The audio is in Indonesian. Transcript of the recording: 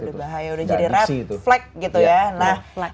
udah jadi red flag gitu ya